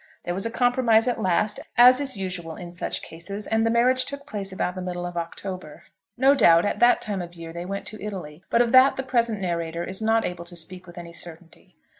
There was a compromise at last, as is usual in such cases, and the marriage took place about the middle of October. No doubt, at that time of year they went to Italy, but of that the present narrator is not able to speak with any certainty.